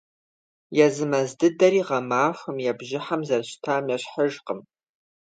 Езы мэз дыдэри гъэмахуэм е бжьыхьэм зэрыщытам ещхьыжкъым.